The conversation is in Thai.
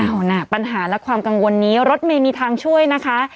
เอานะปัญหาและความกังวลนี้รถเมย์มีทางช่วยนะคะ